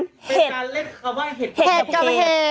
เป็นการเล่นคำว่าเห็ดกรรมเห็บ